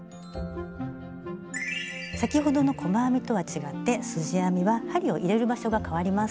先ほどの細編みとは違ってすじ編みは針を入れる場所がかわります。